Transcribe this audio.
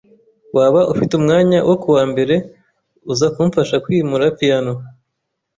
Waba ufite umwanya wo kuwa mbere uza kumfasha kwimura piyano?